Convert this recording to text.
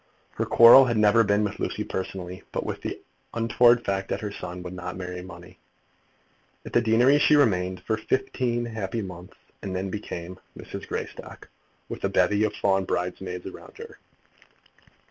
Her quarrel had never been with Lucy personally, but with the untoward fact that her son would not marry money. At the deanery she remained for fifteen happy months, and then became Mrs. Greystock, with a bevy of Fawn bridesmaids around her.